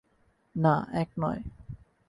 না, এক নয়।